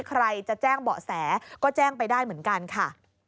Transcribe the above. ใครจะแจ้งเบาะแสก็แจ้งไปได้เหมือนกันค่ะ